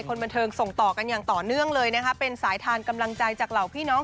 คนบันเทิงส่งต่อกันอย่างต่อเนื่องเลยนะคะเป็นสายทานกำลังใจจากเหล่าพี่น้อง